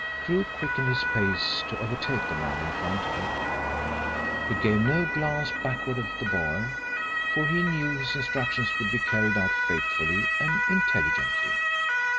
Crewe quickened his pace to overtake the man in front of him. He gave no glance backward at the boy, for he knew his instructions would be carried out faithfully and intelligently.